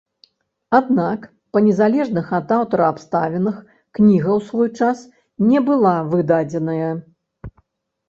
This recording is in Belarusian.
Аднак па не залежных ад аўтара абставінах кніга ў свой час не была выдадзеная.